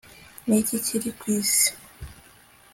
Niki kiri kwisi